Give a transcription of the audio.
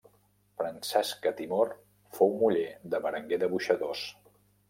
Francesca Timor fou muller de Berenguer de Boixadors.